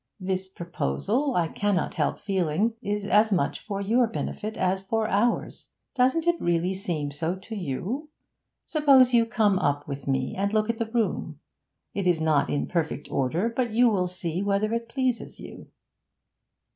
This proposal, I cannot help feeling, is as much for your benefit as for ours. Doesn't it really seem so to you? Suppose you come up with me and look at the room. It is not in perfect order, but you will see whether it pleases you.